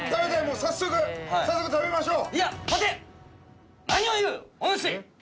早速食べましょう！